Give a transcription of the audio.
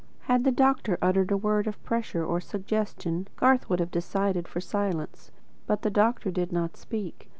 Had the doctor uttered a word of pressure or suggestion, Garth would have decided for silence. But the doctor did not speak.